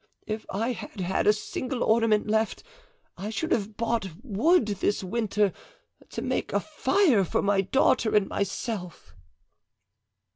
If I had had a single ornament left, I should have bought wood this winter to make a fire for my daughter and myself."